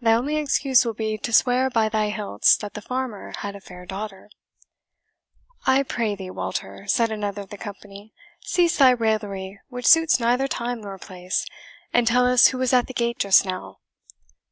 Thy only excuse will be to swear by thy hilts that the farmer had a fair daughter." "I pray thee, Walter," said another of the company, "cease thy raillery, which suits neither time nor place, and tell us who was at the gate just now."